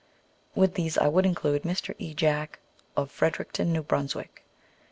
With these I would include MR. E. JACK, of Freder icton, New Brunswick.